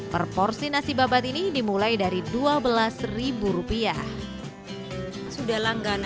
perporsi nasi babat ini dimulai dari dua belas rupiah